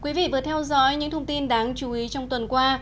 quý vị vừa theo dõi những thông tin đáng chú ý trong tuần qua